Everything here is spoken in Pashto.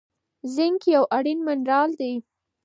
زینک یو اړین منرال دی.